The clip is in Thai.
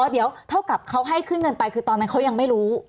เดี๋ยวเท่ากับเขาให้ขึ้นเงินไปคือตอนนั้นเขายังไม่รู้